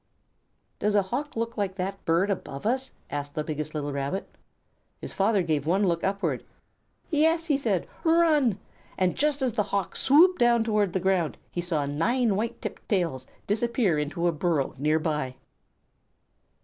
"Does a Hawk look like that bird above us?" asked the biggest little Rabbit. His father gave one look upward. "Yes!" he said. "Run!" And just as the Hawk swooped down toward the ground, he saw nine white tipped tails disappear into a burrow near by.